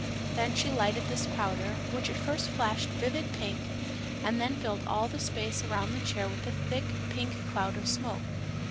Then she lighted this powder, which at first flashed vivid pink and then filled all the space around the chair with a thick pink cloud of smoke.